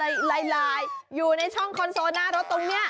ลายอยู่ในช่องคอนโซลหน้ารถตรงนี้